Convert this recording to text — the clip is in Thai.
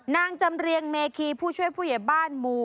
นางจำเรียงเมคีผู้ช่วยผู้ใหญ่บ้านหมู่